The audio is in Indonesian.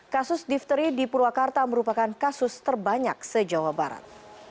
kasus difteri di purwakarta merupakan kasus terbanyak se jawa barat